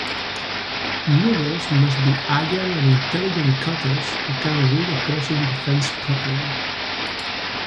Movers must be agile and intelligent cutters who can read opposing defense properly.